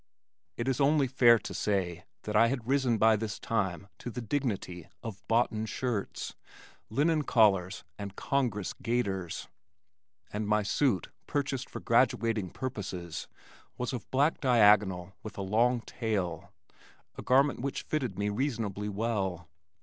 It is only fair to say that I had risen by this time to the dignity of "boughten shirts," linen collars and "Congress gaiters," and my suit purchased for graduating purposes was of black diagonal with a long tail, a garment which fitted me reasonably well.